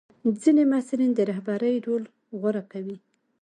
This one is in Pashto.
ځینې محصلین د رهبرۍ رول غوره کوي.